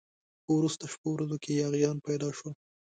په وروستو شپو ورځو کې یاغیان پیدا شول.